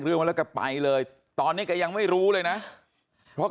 มาแล้วแกไปเลยตอนนี้แกยังไม่รู้เลยนะเพราะ